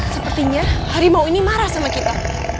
sepertinya harimau ini marah sama kita